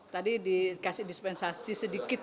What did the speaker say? tadi dikasih dispensasi sedikit